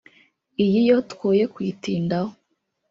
Iyi yo twoye kuyitindaho